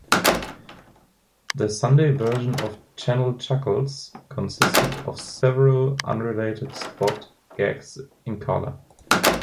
The Sunday version of "Channel Chuckles" consisted of several unrelated spot gags in color.